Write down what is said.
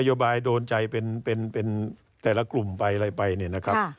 โยบายโดนใจเป็นแต่ละกลุ่มไปอะไรไปเนี่ยนะครับ